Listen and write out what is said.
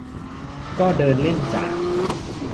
ก็เดินเล่นจาก